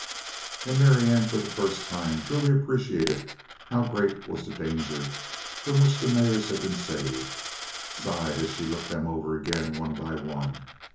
And Marianne, for the first time truly appreciating how great was the danger from which the mares had been saved, sighed as she looked them over again, one by one.